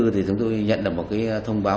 thì chúng tôi nhận được một cái thông báo